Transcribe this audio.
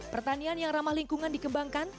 pertanian yang ramah lingkungan dikembangkan